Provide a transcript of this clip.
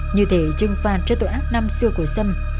như thế trưng phạt trước tội ác năm xưa của sâm